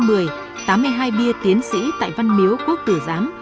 và mang tầm quốc tế năm hai nghìn một mươi tám mươi hai bia tiến sĩ tại văn miếu quốc tử giám